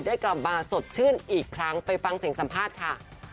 ได้กลับมาสดชื่นอีกครั้งไปฟังเสียงสัมภาษณ์ค่ะ